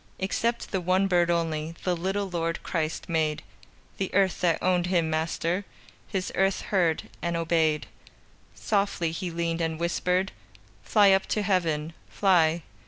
Except the one bird only The little Lord Christ made; The earth that owned Him Master, His earth heard and obeyed. Softly He leaned and whispered: "Fly up to Heaven! Fly!"